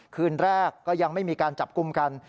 คืนแรกก็ยังไม่มีการจับกลุ่มกัน